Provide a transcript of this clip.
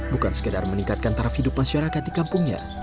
bukan sekedar meningkatkan taraf hidup masyarakat di kampungnya